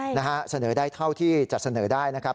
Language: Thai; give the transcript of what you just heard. เจ้าหน้าที่เสนอได้เท่าที่จะเสนอได้นะครับ